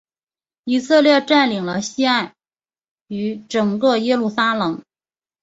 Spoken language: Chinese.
以色列占领了西岸与整个耶路撒冷。